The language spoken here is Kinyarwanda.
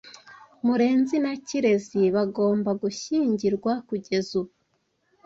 Murenzi na Kirezi bagomba gushyingirwa kugeza ubu.